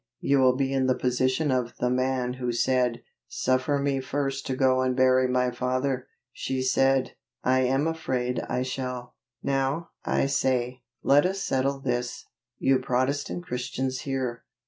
You will be in the position of the man who said, 'Suffer me first to go and bury my father.'" She said, "I am afraid I shall." Now, I say, let us settle this, you Protestant Christians here.